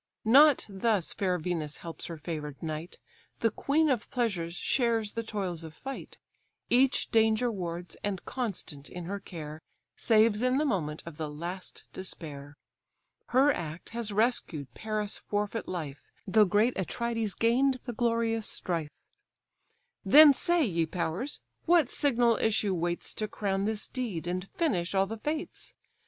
Not thus fair Venus helps her favour'd knight, The queen of pleasures shares the toils of fight, Each danger wards, and constant in her care, Saves in the moment of the last despair. Her act has rescued Paris' forfeit life, Though great Atrides gain'd the glorious strife. Then say, ye powers! what signal issue waits To crown this deed, and finish all the fates!